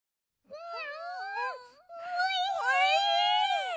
うん！